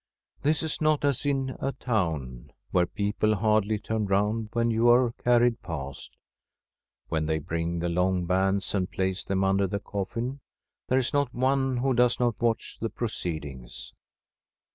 This is not as in a town, where peo ple hardly turn round when you are carried past. When they bring the long bands and place them under the coffin, there is not one who does not watch the proceedings.